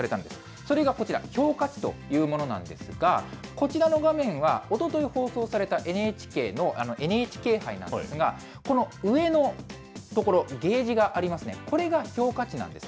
それがこちら、評価値というものなんですが、こちらの画面は、おととい放送されたＮＨＫのＮＨＫ杯なんですが、この上の所、ゲージがありますね、これが評価値なんです。